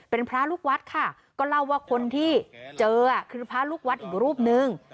เป็นพระลูกวัดค่ะก็เล่าว่าคนที่เจอคือพระลูกวัดอีกรูปนึง